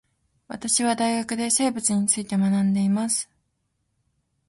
私は大学で生物について学んでいます